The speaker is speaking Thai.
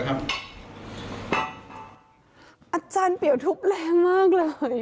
อาจารย์เปลี่ยวทุบแรงมากเลย